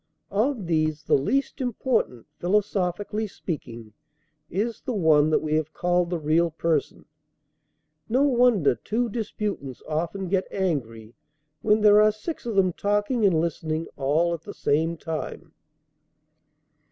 Of these, the least important, philosophically speaking, is the one that we have called the real person. No wonder two disputants often get angry, when there are six of them talking and listening all at the same time.